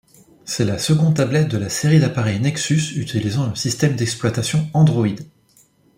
C'est la seconde tablette de la série d'appareils Nexus utilisant le système d'exploitation Android.